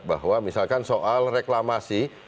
bahwa misalkan soal reklamasi